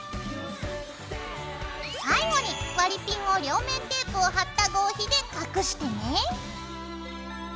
最後に割りピンを両面テープを貼った合皮で隠してね。